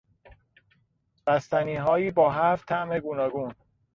بستنیهایی با هفت طعم گوناگون